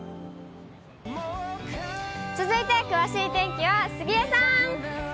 続いて、詳しい天気は杉江さん。